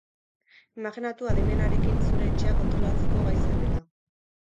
Imajinatu adimenarekin zure etxea kontrolatzeko gai zarela.